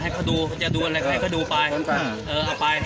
ให้เค้าดูให้เค้าดูไป